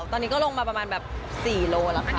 ตอนนี้ก็ลงมาประมาณแบบ๔โลแล้วค่ะ